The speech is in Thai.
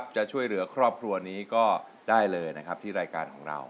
จะช่วยเหลือครอบครัวนี้ก็ได้เลยนะครับที่รายการของเรา